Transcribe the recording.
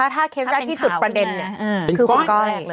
ถ้าเคสแรกที่จุดประเด็นคือคุณก้อย